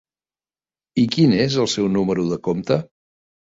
I quin és el seu número de compte?